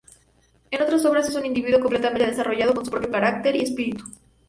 En otras obras es un individuo completamente desarrollado con su propio carácter y espíritu.